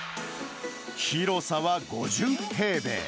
広さは５０平米。